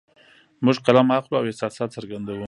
موږ قلم اخلو او احساسات څرګندوو